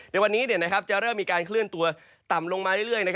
ในวันนี้จะเริ่มมีการเคลื่อนตัวต่ำลงมาเรื่อย